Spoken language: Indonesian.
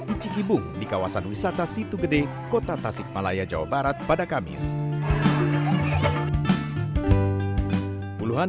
icikibung di kawasan wisata situ gede kota tasikmalaya jawa barat pada kamis puluhan